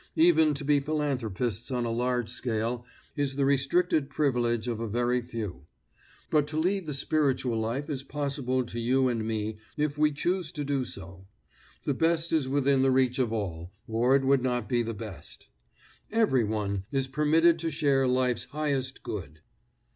Even to be philanthropists on a large scale is the restricted privilege of a very few. But to lead the spiritual life is possible to you and me if we choose to do so. The best is within the reach of all, or it would not be the best. Every one is permitted to share life's highest good.